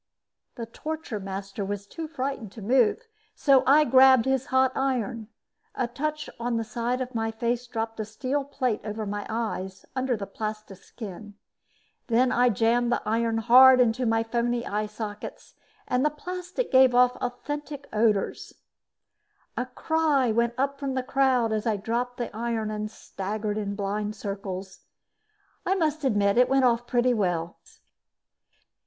The torture master was too frightened to move, so I grabbed out his hot iron. A touch on the side of my face dropped a steel plate over my eyes, under the plastiskin. Then I jammed the iron hard into my phony eye sockets and the plastic gave off an authentic odor. A cry went up from the crowd as I dropped the iron and staggered in blind circles. I must admit it went off pretty well.